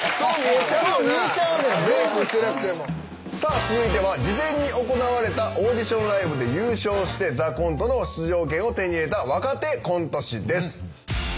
続いては事前に行われたオーディションライブで優勝して『ＴＨＥＣＯＮＴＥ』の出場権を手に入れた若手コント師です。